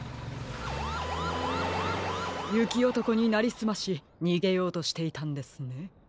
ゆきおとこになりすましにげようとしていたんですね。